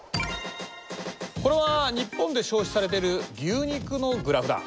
これは日本で消費されてる牛肉のグラフだ。